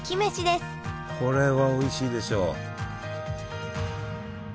これはおいしいでしょう。